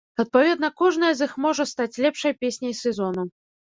Адпаведна, кожная з іх можа стаць лепшай песняй сезону.